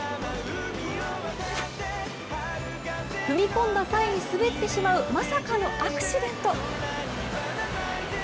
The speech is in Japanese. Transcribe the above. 踏み込んだ際に滑ってしまうまさかのアクシデント。